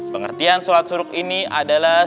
pengertian sholat suruk ini adalah